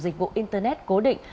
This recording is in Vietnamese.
dịch vụ internet cố định